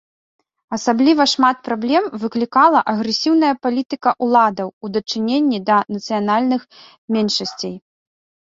Асабліва шмат праблем выклікала агрэсіўная палітыка ўладаў у дачыненні да нацыянальных меншасцей.